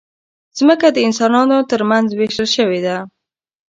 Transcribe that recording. مځکه د انسانانو ترمنځ وېشل شوې ده.